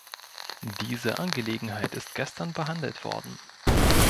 Diese Angelegenheit ist gestern behandelt worden.